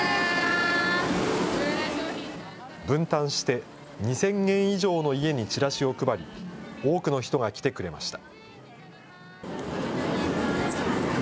分担して、２０００軒以上の家にチラシを配り、多くの人が来てくれました。